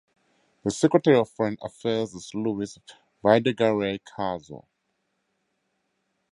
The Secretary of Foreign Affairs is Luis Videgaray Caso.